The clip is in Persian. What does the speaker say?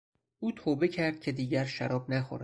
او توبه کرد که دیگر شراب نخورد.